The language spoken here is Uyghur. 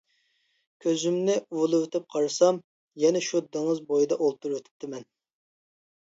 كۆزۈمنى ئۇۋىلىۋېتىپ قارىسام يەنە شۇ دېڭىز بويىدا ئولتۇرۇۋېتىپتىمەن.